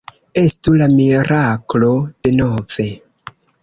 Estu la miraklo denove!